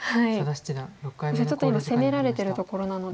ちょっと今攻められてるところなので。